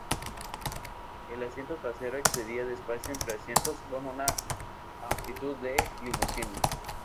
El asiento trasero excedía el espacio entre asientos con una amplitud de limusina.